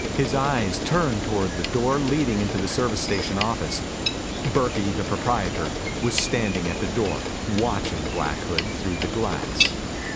His eyes turned toward the door leading into the service station office. Burkey, the proprietor, was standing at the door, watching Black Hood through the glass.